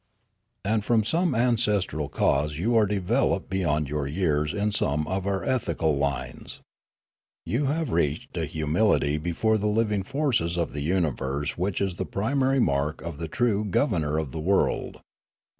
" And from some ancestral cause you are developed beyond your years in some of our ethical lines. You have reached a humility before the living forces of the My Awakening 13 universe which is the primary mark of the true governor of the world.